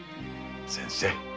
先生。